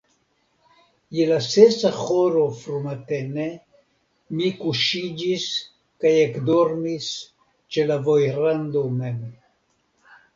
Je la sesa horo frumatene mi kuŝiĝis kaj ekdormis ĉe la vojrando mem.